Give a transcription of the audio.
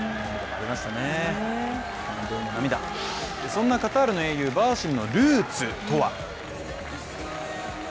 そんなカタールの英雄・バーシムのルーツとは。